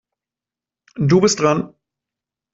Du bist dran.